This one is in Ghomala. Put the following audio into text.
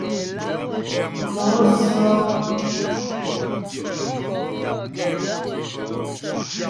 Mo síŋ ó.